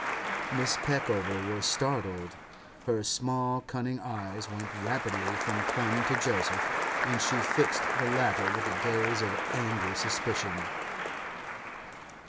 Mrs. Peckover was startled; her small, cunning eyes went rapidly from Clem to Joseph, and she fixed the latter with a gaze of angry suspicion.